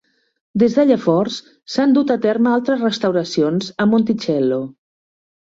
Des de llavors, s'han dut a terme altres restauracions a Monticello.